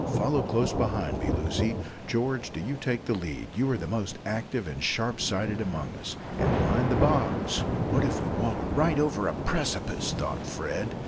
Follow close behind me, Lucy. George, do you take the lead you are the most active and sharp sighted among us; and mind the bogs." "What if we walk right over a precipice!" thought Fred.